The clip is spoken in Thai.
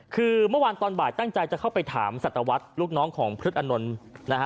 คือเมื่อวานตอนบ่ายตั้งใจจะเข้าไปถามสัตวรรษลูกน้องของพฤษอนนท์นะฮะ